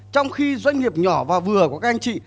trong khi doanh nghiệp nhỏ và vừa của các anh chị